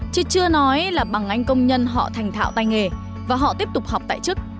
chứ chưa nói là bằng anh công nhân họ thành thạo tay nghề và họ tiếp tục học tại chức